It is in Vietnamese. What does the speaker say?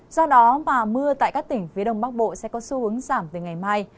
do đó mà mưa tại các tỉnh phía đông bắc bộ sẽ có xu hướng giảm từ ngày mai